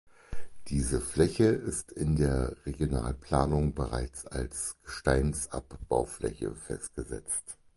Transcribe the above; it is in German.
Diese Fläche ist in der Regionalplanung bereits als Gesteinsabbaufläche festgesetzt.